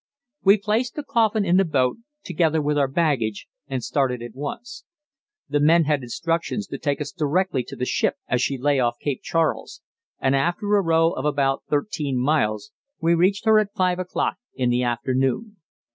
We placed the coffin in the boat, together with our baggage, and started at once. The men had instructions to take us directly to the ship as she lay off Cape Charles, and after a row of about thirteen miles we reached her at five o'clock in the afternoon.